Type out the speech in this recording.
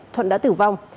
thuận đã tử vong